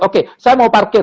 oke saya mau parkir